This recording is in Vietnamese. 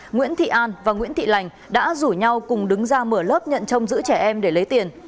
nguyễn thị an và nguyễn thị lành đã rủ nhau cùng đứng ra mở lớp nhận trông giữ trẻ em để lấy tiền